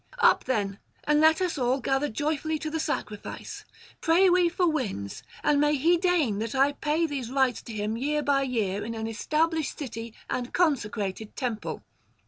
Up then and let us all gather joyfully to the sacrifice: pray we for winds, and may he deign that I pay these rites to him year by year in an established city and consecrated temple.